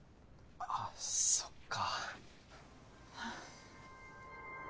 あっそっか。